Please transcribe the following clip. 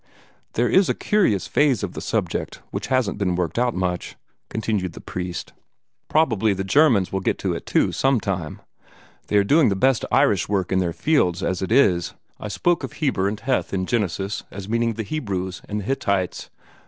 "There is a curious phase of the subject which hasn't been worked out much," continued the priest. "Probably the Germans will get at that too, sometime. They are doing the best Irish work in other fields, as it is. I spoke of Heber and Heth, in Genesis, as meaning the Hebrews and the Hittites.